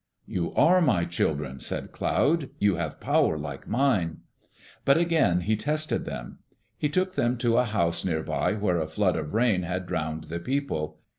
"You are my children," said Cloud. "You have power like mine." But again he tested them. He took them to a house near by where a flood of rain had drowned the people.